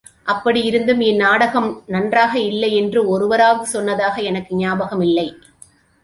அப்படியிருந்தும் இந்நாடகம் நன்றாக இல்லையென்று ஒருவராவது சொன்னதாக எனக்கு ஞாபகமில்லை.